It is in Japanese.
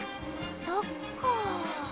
そっか。